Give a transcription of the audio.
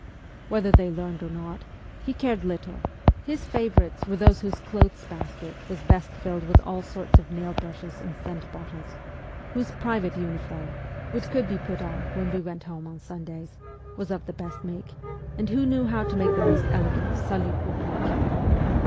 Whether they learned or not, he cared little ; his favourites were those whose clothes basket was best filled with all sorts of nail brushes and scent bottles, whose ' private ' uniform (which could be put on when we went home on Sundays) was of the best make, and who knew how to make the most elegant salut oblique.